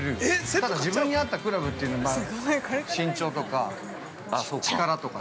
ただ、自分に合ったクラブっていうのがあって身長とか力とか。